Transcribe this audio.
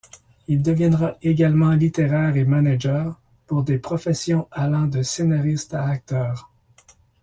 Il deviendra également littéraire et manager pour des professions allant de scénaristes à acteurs.